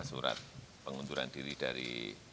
surat pengunturan diri dari